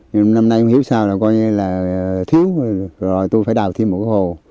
nhưng năm nay cũng hiểu sao là coi như là thiếu rồi tôi phải đào thêm một cái hồ